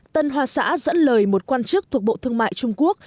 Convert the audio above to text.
tân hoa xã dẫn lời một quan chức thuộc bộ thương mại trung quốc